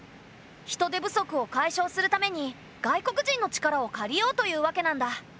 人手不足を解消するために外国人の力を借りようというわけなんだ。